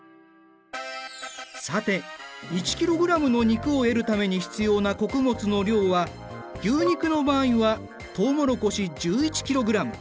さて１ｋｇの肉を得るために必要な穀物の量は牛肉の場合はとうもろこし１１ｋｇ。